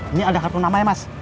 ini ada kartu namanya mas